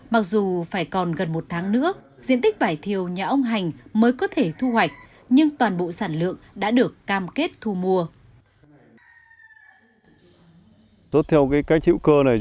mặc dù phải còn gần một tháng nữa diện tích vải thiều nhà ông hành mới có thể thu hoạch nhưng toàn bộ sản lượng đã được cam kết thu mua